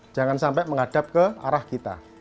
jangan sampai menghadap ke arah kita